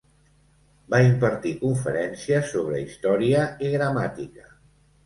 Va impartir conferències sobre història i gramàtica.